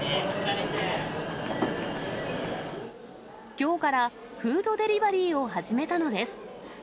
きょうからフードデリバリーを始めたのです。